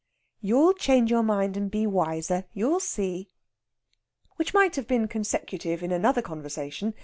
"You'll change your mind and be wiser you'll see." Which might have been consecutive in another conversation.